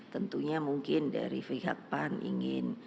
tentunya mungkin dari pihak pan ingin